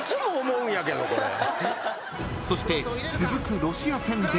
［そして続くロシア戦でも］